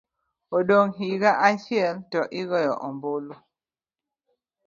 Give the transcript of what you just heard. odong' higa achiel to igoyo ombulu.